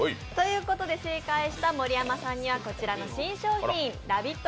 正解した盛山さんにはこちらの新商品、ＬＯＶＥＩＴ！